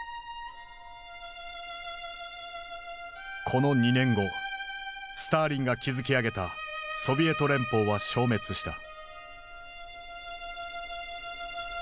この２年後スターリンが築き上げたソビエト連邦は消滅した。